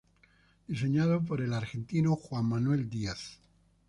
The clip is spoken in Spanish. Diseñado por el argentino Juan Manuel Díaz.